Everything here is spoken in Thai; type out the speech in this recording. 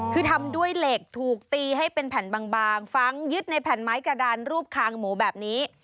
คือทำด้วยเหล็กถูกตีให้เป็นแผ่นบางฟังยึดในแผ่นไม้กระดานรูปคางหมูแบบนี้